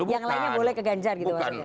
yang lainnya boleh ke ganjar gitu maksudnya